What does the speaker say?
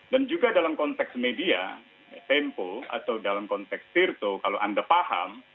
dan juga dalam konteks media tempo atau dalam konteks sirto kalau anda paham